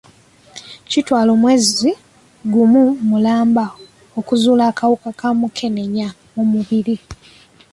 Kitwala omwezi gumu mulamba okuzuula akawuka ka mukenenya mu mubiri.